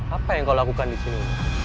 apa yang kau lakukan di sini